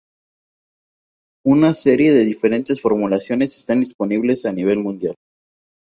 Una serie de diferentes formulaciones están disponibles a nivel mundial.